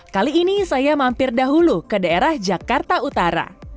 kali ini saya mampir dahulu ke daerah jakarta utara